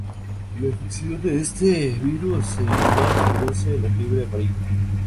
La infección de este virus en humanos produce la fiebre amarilla.